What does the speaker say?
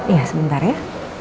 iya sebentar ya